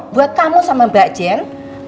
buat kamu sama mbak jen